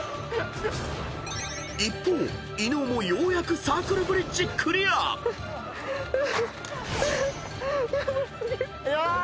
［一方伊野尾もようやくサークルブリッジクリア］ヤバ過ぎ。